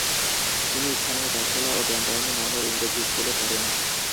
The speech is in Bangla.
তিনি স্থানীয় পাঠশালা ও জ্ঞানদায়িনী মাইনর ইংরেজি স্কুলে পড়েন।